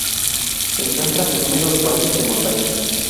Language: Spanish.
Se encuentra en húmedos valles de montaña.